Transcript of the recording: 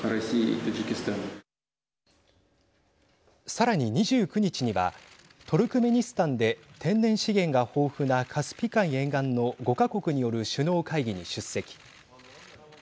さらに、２９日にはトルクメニスタンで天然資源が豊富なカスピ海沿岸の５か国による首脳会議に出席。